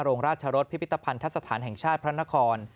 ราชรสพิพิธภัณฑสถานแห่งชาติพระนคร